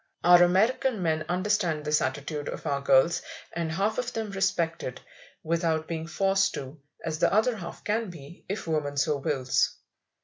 Our American men understand this attitude of our girls, and half of them respect it, without being forced to, as the other half can be, if woman so wills.